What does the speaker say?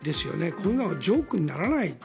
こういうのはジョークにならない。